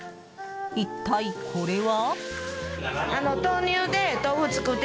一体これは？